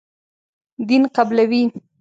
دین قبولوي.